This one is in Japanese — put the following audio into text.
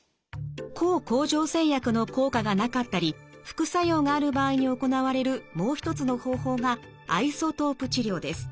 抗甲状腺薬の効果がなかったり副作用がある場合に行われるもう一つの方法がアイソトープ治療です。